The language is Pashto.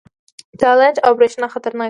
تالنده او برېښنا خطرناک دي؟